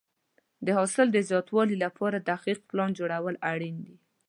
د حاصل د زیاتوالي لپاره دقیق پلان جوړول اړین دي.